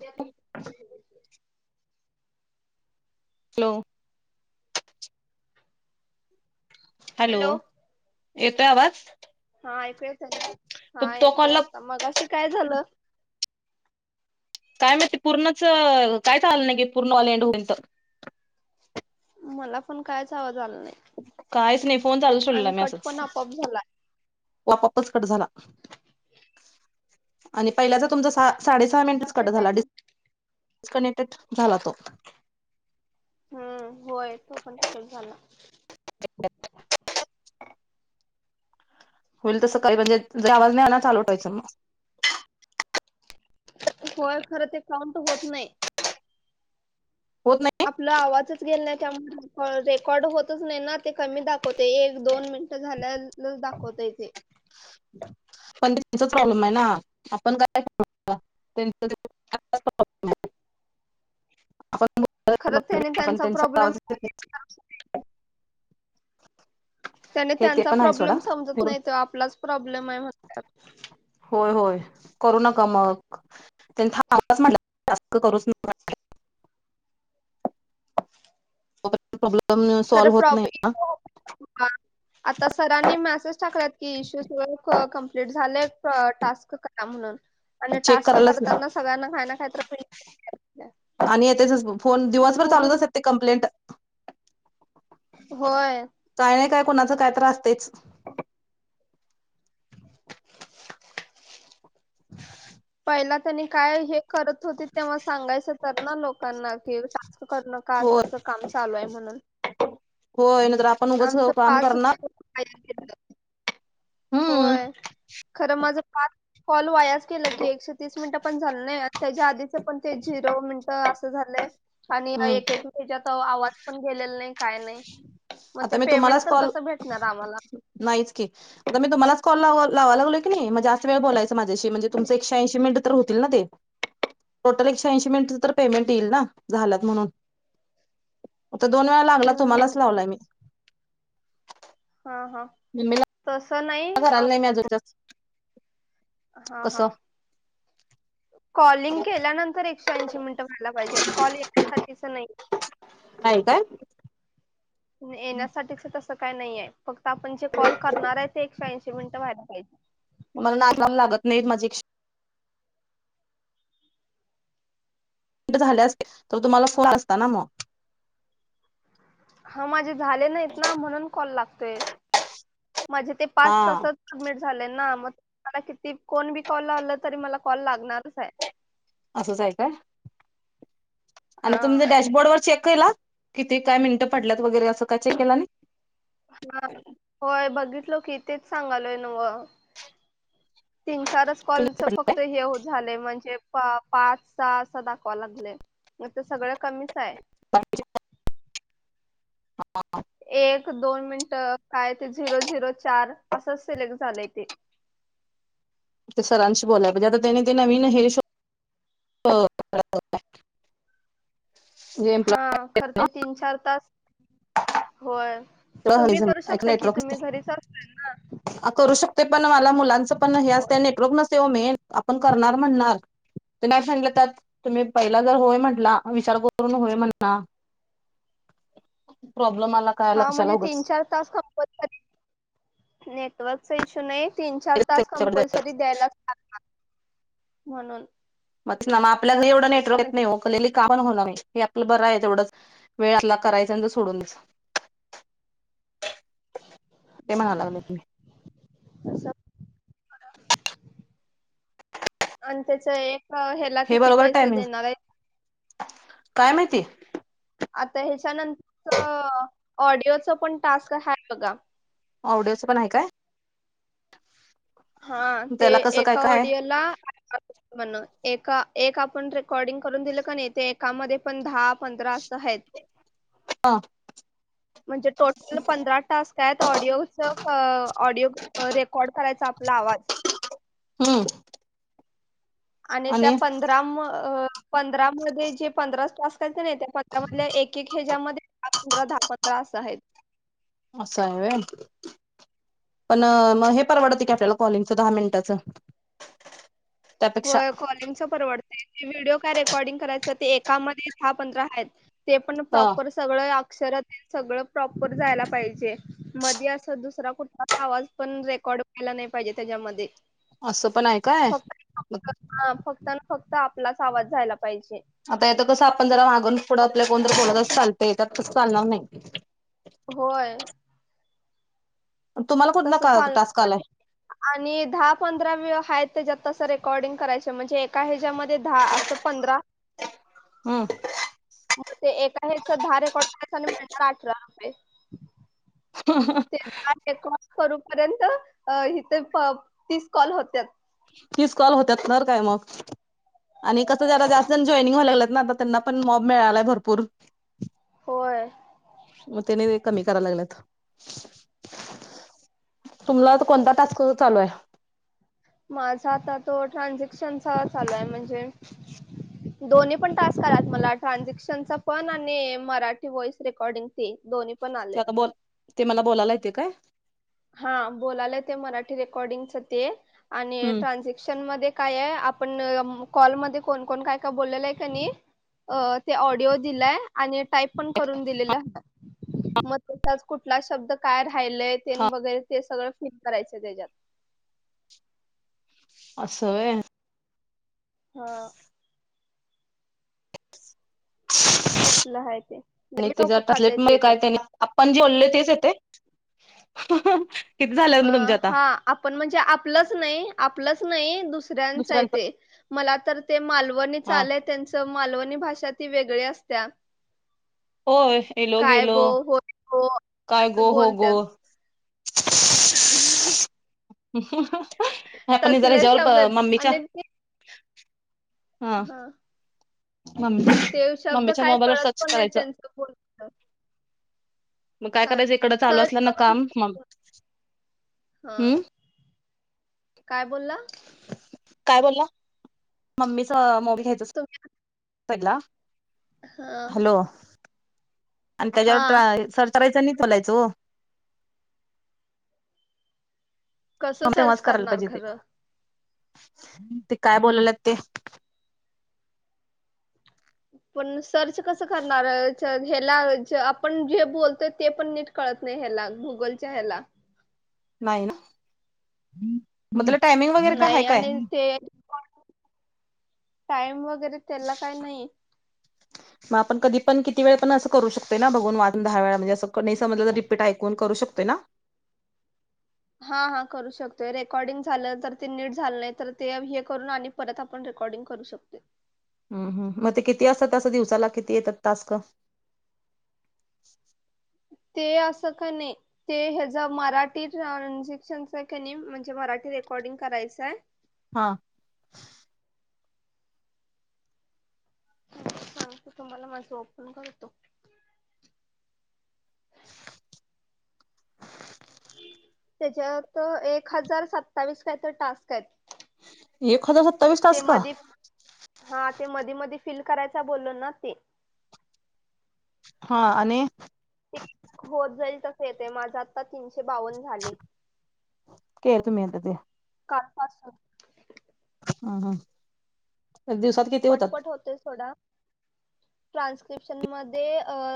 द्या [unintelligible] hello hello येतोय आवाज हा ऐकूय त्या ना हा तो येतोय कॉलला आता मगशी काय झालं काय माहिती पूर्णच कायच आलं नाही घे पूर्ण [unintelligible] मला पण कायच आवाज आला नाही काहीच नाही फोन चालूच ठेवलेला आणि मी कट असंच पण आपोआप झाला त्यो आपोपच कट झाला आणि पहिल्याचा तुमचा सा साडे सहा मिनिटच किती कट झाला टाइम डिस्कनेक्टेड झाला तो हम्म होय तो पण तसच झाला [unintelligible] [unintelligible] होय खरं ते काउंट तर होत नाही होत नाही आपला आवाजच गेल नाही त्यामुळे रेकॉर्ड होतच नाही ना ते कमी दाखवते एक दोन मि झाल्या दाखवतय ते [unintelligible] पण त्यांचा प्रॉब्लेम आहे ना आपण काय कर करणार [unintelligible] खरं त्याने त्यांचा प्रॉब्लेम [inaudible] त्याने हे ते त्यांचा पण आहे सोडा प्रॉब्लेम समजत नाही तो आपलाच प्रॉब्लेम आहे म्हण होय होय करू नका मग त्यांचा ह आवाज म्हटलात करूच नका [unintelligible] प्रॉब्लेम खरं सॉल्व होत नाही ना प्रॉब्लेम आता सरांनी मेसेज टाकलात की इश्यू कंपलीट झालं टास्क करा म्हणून आणि चेक टास्क करायलाच नाही करताना सगळ्यांना खायना खाय तर आणि येत फोन दिवसभर पूर्ण चालूतच ते कंप्लेंट होय. काय नाही काय कोणाच काय तर असतेच [unintelligible] त्यांनी काय हे करत होती तेव्हा सांगायच तर ना लोकांना कि करण का असं होय अस काम चालू आहे म्हणून होय नाहीतर आपण उगच आमचं काम पाच करणार वाया गेलं हम्म होय खरं माझ पाच कॉल वायाच केलं की एकशे तीस मिनिटं पण झालं नाही आणि त्याच्या आधीच पण ते झिरो मिनट असं झालंय आणि हम्म एक एक हच्यात आवाज पण गेलेला नाही काय नाही. मग ते आता मी पेमेंट तुम्हालाच तर कॉल कसं भेटणार आम्हाला? नाहीच की आता मी तुम्हाला कॉल लावा लावा लागलोय की नाही म्हणजे आच वेळ बोलायचं माझ्याशी म्हणजे तुमं एकशे ऐंशी मिनिट तर होतील ना ते टोटल एकशे ऐंशी मिनिट तर पेमेंट येईल ना झालात म्हणून आता दोन वेळा लागला तुम्हालाच हम्म लावलाय मी हा हा तस काय करायला नाही मी अजून तर हा हा कॉलिंग केल्यानंतर एकशे ऐशी मिनिट ते व्हायला पाहिजेत कॉल येण्यासाठीच नाही नाही काय येण्यासाठीच तस काय नाहीय फक्त आपण जे कॉल करणार आहे ते एकशे ऐशी मिनिट वायला पाहिजे मला नाक लाव लागत नाहीत माझे क झाले असतील तर तुम्हाला फोन असता ना मग हा माझे झाले नाहीत ना म्हणून कॉल लागतोय माझे ते हा पाच तासच सबमिट झाले ना मग मला किती कोण बी कॉल लावला तरी मला कॉल लागणारच आहे असचय का आणि हा तुमचं डॅशबोर्ड वर चेक केला किती काय मिनटं पडल्यात वगैरे असं काय चेक केला नाही? हा होय बघितलो की तेच सांगालोय नव्ह‌. तीन चारच कॉलच फक्त हे हो झालंय म्हणजे पाच सहा असं दाखवा लागलय मग ते सगळं कमीच आहे [unintelligible] एक दोन मिनट काय ते झिरो झिरो चार असंच सिलेक्ट झालंय ते ते सरांशी बोलाय पाहीजे आता त्याने ते नवीन हे शो हा खरं ते तीन चार तास होय तुम्ही करू शकता कि नेटवर्क तुम्ही घरीच असल ना करू शकते पण मला मुलांचं पण हे असते होय नेटवर्क नसेव मेन आपण करणार म्हणणार ते नाही फ्रेडलं त्यात तुम्ही पहिला जर होय म्हंटला विचार करून होय म्हणणा प्रॉब्लेम आ हा म्हणजे तीन चार तास कपनी नेटवर्कचा इश्यू नाही तीन चार तास कंपल्सरी द्यायलाच ला म्हणून मग ना मग आपल्याला एवढ नेटवर्क कारण येत नाही ओकली काण होणार नाही हे आपलं बरं आहे तेवढंच वेळ आपला करायच आणि सोडून ते म्हणाय की लागलं तुम्ही आणि त्याच एक ह्याला हे किती बरोबर पैसे टायमिंग देणार आहे काय माहिती आता ह्याच्यानंतर ऑडिओच पण टास्क ह बघा ऑडिओच पण आहे काय हा ते त्याला कसं काय एका काय वडियाला म्हणून एक एक आपण रेकॉर्डिंग करून दिलं का नाही ते एकामध्ये पण दहा पंधरा सहेत हा म्हणजे टोटल पंधरा टास्क आहेत ऑडिओ ऑडिओ रेकॉर्ड करायचा लावाद हम्म आणि त्या पंधरा पंधरामध्येध्ये जे पंधराच तास करायच नाही त्या पंरा मध एक एक ह्याच्यामध्ये हा पंधरा दहा पंधरा असं आहेत असं आहे पण हा मग हे परवडतं की आपल्याला कॉलिंगचं दहा मिनिटाचं त्यापेक्षा होय कॉलिंग च परवडतंय व्हिडिओ काय रेकॉर्डिंग करायचं ते एकामध्ये दहा पंधरा आहेत ते पण हा प्रॉपर सगळं अरात सगळ प्रॉपरयला पाहिजे म अस दुसरा कुठला आवाज पण रेकॉर्ड व्हायला नाही पाहिजे त्याच्यामध्ये असं पण आहे काय फक्त हा फक्त ना फक्त आपलाच आवाज जायला पाहिजे. आता याेत कसं आपण जरा मागून पुढं आपल्या कोणत बोलतच चालतेतत कसं चालणार नाही होय तुम्हाला कुठला तस का चालणार टास्क आलाय? पण आणि दहा पंधरा व आहेत त्याच्यात त रेकॉर्डिंग कराय म्हणज एका हच्यामध्ये दहा अस पंधरा हम मग ते एका हेच दहा रेकॉड आणि मिळणार अठरा रुपये हा ह कॉल करूपर्यंतथे तीस कॉल होत्या तीच कॉल होत्याात ना काय मग आणि कसं ज जास्त जॉईनिंग हो्हाय लागलंत ना आता त्यांना पण मॉब मिळालाय भरपूर होय. मग त्याने ते कमी कराला लागलेत तुमला कोणता टास्क चालू आहे माझा आता तो ट्रान्झॅक्शनचा चालू आहे म्हणजे दोन्ही पण टास्कआलात मला ट्रानझक्शनचा पण आणि मराठी व्हॉइस रेकॉर्डिंग दोन्ही पण आले. ते आता ब ते मला बोलायला येते काय हा बोलालं ते मराठी रेकॉर्डिंगच ते आणि हम्म ट्रानझक्शन म काय आपण कॉलमध्ये कोण कोण काय काय बोललेलं आहे का नाही. अ ते ऑडिओ दिलाय आणि टाईप पण करून दिलेलं मग त कुठला शब्द काय राहिलय. तेन हा वगैरे ते सगळं फिल करायचं त्याच्यात. असं वय. हा. तसलं आहे ते आणि लय डोकं त्याच्या खातय ते [unintelligible] तर त्यानी आपण जे बोलले तेच [unintelligible] अ मग तुमच्या आता हा आपण म्हणजे आपलंच नाही आपलंच नाही दु सऱ्यांचा आहे दुसऱ्यांच ते मला तर ते मालवणी हा चाले त्यांचं मालवणी भाषा ती वेगळ असत्या. होय येलो काय गेलो गो होय गो काय अस गो हो गो बोलत्यात. ह. ह पण जरा शब्द ह्याच्यावर आहेत मम्मीच्या आणि ते हा. हां. मम्मी ते शब्द मम्मीच्या काय मोबाईलवर कळत सर्च पण नाहीत करायचं त्यांचं बोलन. मग काय करायचं इकडं चालू सर्च असलं ना करून काम मग हां. हम्म. काय बोलला? काय बोलला, मम्मीचं मो तुम्ही [unintelligible] हा. हॅलो आणि त्याच्यावर सर्च करायचं आणि बोलायचो. कसं म सर्च तेव्हाच करायला करणार पाहिजे ते. खरं? ते काय बोलाल्यात ते. पण सर्च कस करणारला आपण जे बोलतोय ते पण नीट कळ त नाही ह्याला गुंगलच्या हेला. नाही ना म त्याला टायमिंग वगैरे काय हाय काय? टाइम वगैरे त्याला काय नाही. मग आपण कधी पण किती वेळ पण असं करू शकते ना बघून वाून दहा वेळा म्हणजे असं समजलं तर रिपीट ऐकून करू शकतेय ना? [inaudible] हा हा करू शकतोय रेकॉर्डिंग झालं तर ते नीट झालं नाही तर ते हे करून आणि परत आपण रेकॉर्डिंग करू शकतोय. हम् हम मग ते किती असतात असं दिवसाला किती येतात टास्क? [inaudible] ते असं का नाही ते हच्या मराठी ट्रांजेक्शन नाही म्हणजे मराठी रेकॉर्डिंग करायचं आहे. हा. सांगतो तुम्हाला माझं ओपन करतो. [inaudible] त्याच्यात एक हजार सत्तावीस काय तर टास्क आहेत. एक हजार सत्तावीस ते टास्क? मधी हा ते मधी मधी फिल करायचा बोलो ना ते. हा आणि. ते होत जाईल तस येते माझा आता तीन शे बावन झाले. के तुम्ही आता ते काल पासून. ह ह एक दिवसात किती होतात? [inaudible] ट्रान्क्रिपशन मध्ये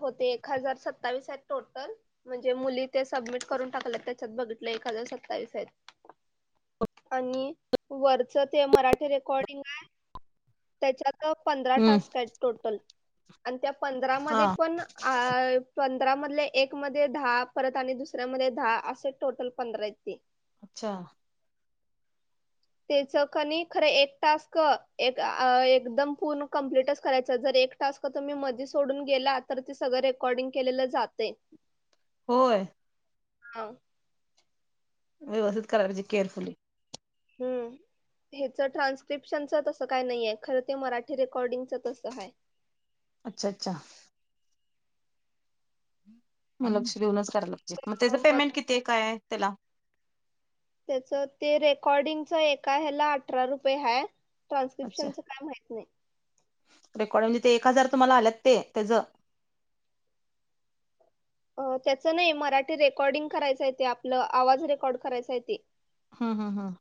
होते एक हजार सतावीस टोटल म्हणजे मुली ते सब मीट करून टाकल्यात त्याच्यात बघितलोय एक हजार सत्तावीस आहेत. आणि वरचं ते मराठी रेकॉर्डिंग आहे. त्याच्यात पंधरा हम्म टास्क आहेत टोटल. आण त्या हा पंधरामध्ये पण आ पण पंधरा मधले एक मध्ये दहा परत आणि दुसऱ्यामध्ये दहा असे टोटल पंधरा हायेत ते. अच्छा त्याच कणी खर एक टास्क अ एक आ एकदम पूर्ण कंप्लीटच करायच जरी एक टास्क तुम्ही मध्ये सोडून गेला तर सगळं रेकॉर्डिंग केलं जातंय. होय. [unintelligible] व्यवस्थित करावी पाहिजे केअरफुली हम् हच ट्रान्स्क्रिप्शनच तस काय नाहीय खर ते मराठी रे कॉर्डिंग तस हाय. अच्छा अच्छा मग लक्ष देेऊनच करायला पाहिजे. मग त्याच पेमेंट किती काय हाय त्याला? त्याच ते रेकॉर्डिंगच एका ह्याला अठरा रुपये हाय. अच्छा ट्रान्स्क्रिप्शनच काय माहित नाही. रेकॉर्ड म्हणजे ते एक हजार तुम्हाला आलेत ते त्याच अ त्याचं नाही मराठी रेकॉर्डिंग करायच येते आपलं आवाज रेकॉर्ड करायच ते. हम् हम् हम्.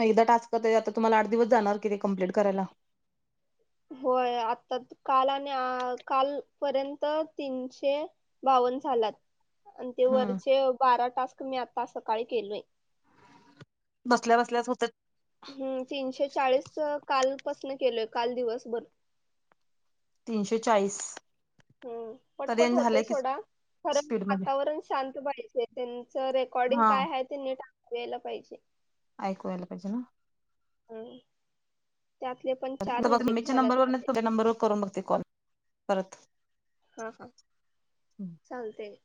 मग एकदा टास्क ताई आता तुम्हाला आठ दिवस जाणार कि ते कमप्लीट करायला? होय आता काल आ आणि काल पर्यंत तीनशे बाव पण झालात. आणि ते हम्म वरचे बारा टास्क मी आता सकाळी केलोय. बसल्या बसल्याच होत्यात. हम्म तीनशे चाळीस कालपासन केलोय काल दिवसभर. तीनशे चाळीस. हम्म तरी पटपट आणि होतेय झालंय की सोडा खरण स्पीडमध्ये वातावरण शांत पाहिजे तेन. रेकॉर्डिंग हा काय आहे ते नीट [unintelligible] पाहिजे. ऐकूयला पाहिजे ना? हम्. [unintelligible] मम्मीच्या नंबरवरूनच तुमच्या नंबर वर करून बघते कॉल परत. हा-हा चालतय.